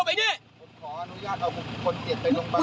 ผมขออนุญาตเอาคนเกลียดไปโรงพยาบาลนะพี่